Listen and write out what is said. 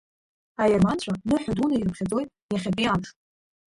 Аерманцәа ныҳәа дуны ирыԥхьаӡоит иахьатәи амш.